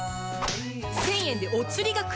１０００円でお釣りがくるのよ！